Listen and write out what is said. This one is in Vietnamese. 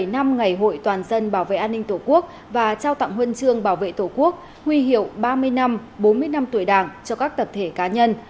một mươi năm ngày hội toàn dân bảo vệ an ninh tổ quốc và trao tặng huân chương bảo vệ tổ quốc huy hiệu ba mươi năm bốn mươi năm tuổi đảng cho các tập thể cá nhân